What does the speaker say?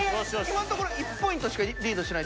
今のところ１ポイントしかリードしてない。